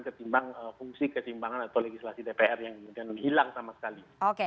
ketimbang fungsi kesimbangan atau legislasi dpr yang kemudian hilang sama sekali